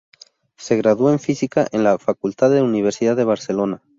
Se graduó en Física en la facultad de la Universidad de Barcelona.